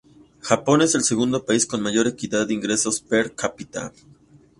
Japón es el segundo país con mayor equidad de ingresos per cápita.